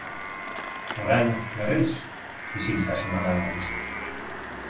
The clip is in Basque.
Orain, berriz, isiltasuna da nagusi.